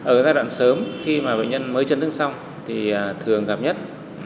ở giai đoạn sớm khi mà bệnh nhân mới chấn thương xong thì thường gặp nhất